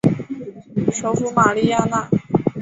首府玛利亚娜。